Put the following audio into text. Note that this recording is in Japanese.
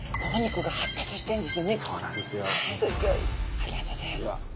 ありがとうございます。